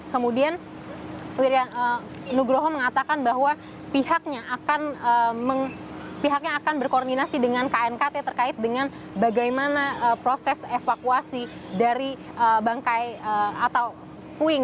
kemudian nugroho mengatakan bahwa pihaknya akan pihaknya akan berkoordinasi dengan knkt terkait dengan bagaimana proses evakuasi dari bangkai atau puing